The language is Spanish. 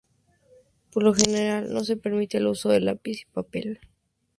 Por lo general, no se permite el uso de lápiz y papel.